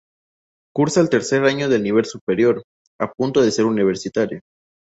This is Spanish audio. Cursa tercer año de nivel superior, a punto de ser universitaria.